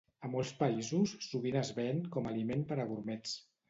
A molts països, sovint es ven com a aliment per a gurmets.